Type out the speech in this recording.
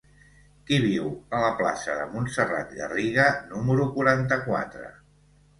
Qui viu a la plaça de Montserrat Garriga número quaranta-quatre?